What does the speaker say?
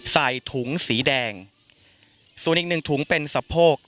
ใส่ถุงสีแดงส่วนอีกหนึ่งถุงเป็นสะโพก